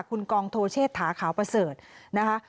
คุณกองโทเชษฐาขาวประเสริฐนะคะ